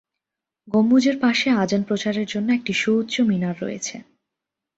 গম্বুজের পাশে আজান প্রচারের জন্য একটি সুউচ্চ মিনার রয়েছে।